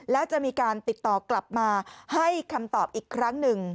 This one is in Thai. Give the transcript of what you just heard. และจะมีการติดต่อกลับมาให้คำตอบอีกครั้งหนึ่ง